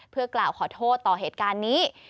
เพื่อกล่าวขอโทษต่อเหตุการณ์นี้